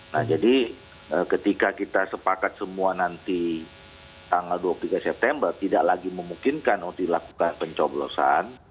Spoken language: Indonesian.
nah jadi ketika kita sepakat semua nanti tanggal dua puluh tiga september tidak lagi memungkinkan untuk dilakukan pencoblosan